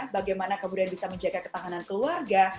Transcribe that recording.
bagaimana kemudian bisa menjaga ketahanan keluarga